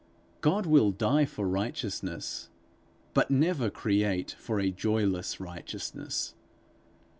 God will die for righteousness, but never create for a joyless righteousness.